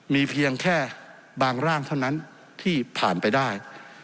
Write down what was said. มีเพียงแค่บางร่างเท่านั้นที่ผ่านไปได้